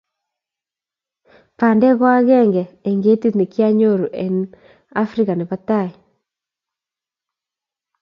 Bandee ko agenge eng ketit ne kinyoru end afrika ne bo tai